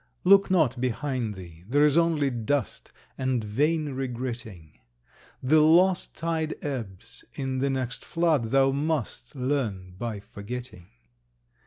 Look not behind thee; there is only dust And vain regretting. The lost tide ebbs; in the next flood thou must Learn, by forgetting.